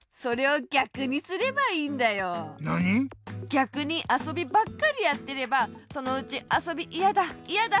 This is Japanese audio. ぎゃくにあそびばっかりやっていればそのうち「あそびいやだいやだ！